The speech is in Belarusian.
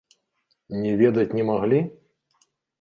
Не ведаць не маглі?